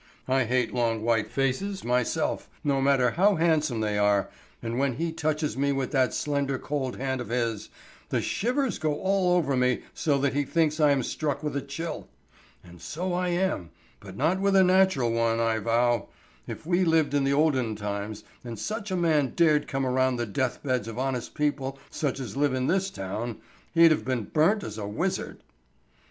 I hate long white faces, myself, no matter how handsome they are, and when he touches me with that slender cold hand of his, the shivers go all over me so that he thinks I am struck with a chill. And so I am, but not with a natural one, I vow. If we lived in the olden times and such a man dared come around the death beds of honest people such as live in this town, he'd have been burnt as a wizard."